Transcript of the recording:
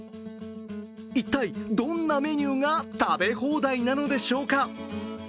一体どんなメニューが食べ放題なのでしょうか。